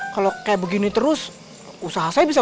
kalau kayak begini terus usaha saya bisa